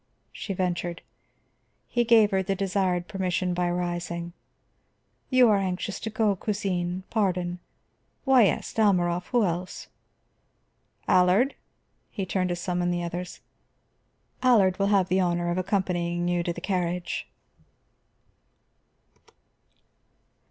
she ventured. He gave her the desired permission by rising. "You are anxious to go, cousine; pardon. Why, yes, Dalmorov; who else? Allard," he turned to summon the others, "Allard will have the honor of accompanying you to the carriage."